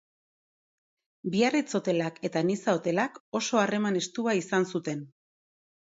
Biarritz hotelak eta Niza hotelak oso harreman estua izan zuten.